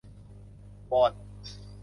วอน